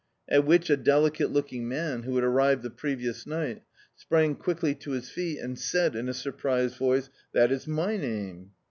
At which a deli cate looking man, who had arrived the previous ni^t, sprang quickly to his feet and said in a surprised voice — "That is my name."